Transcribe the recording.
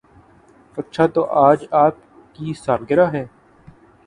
اچھا تو آج آپ کی سالگرہ ہے